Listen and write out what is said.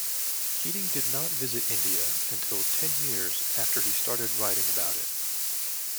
Keating did not visit India until ten years after he started writing about it.